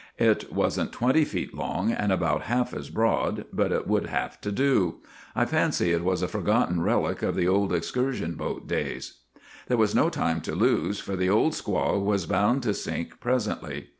It was n't twenty feet long and about half as broad, but it would have to do. I fancy it was a forgotten relic of the old excursion boat days. There was no time to lose, for the Old Squaw was bound to sink presently.